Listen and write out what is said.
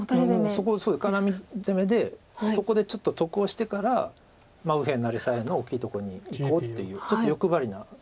そこはカラミ攻めでそこでちょっと得をしてから右辺なり左辺の大きいとこにいこうというちょっと欲張りな構想です